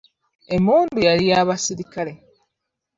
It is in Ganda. Emmundu yali ya basirikale.